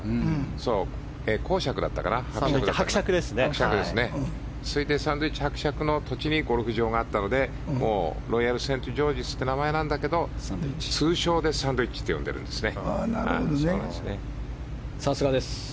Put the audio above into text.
それからサンドウィッチ伯爵の土地にゴルフ場があったのでロイヤルセントジョージズって名前なんだけど通称でサンドウィッチと呼んでいるんですよね。